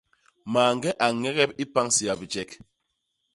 Mañge a ñegep i pañ séya bijek.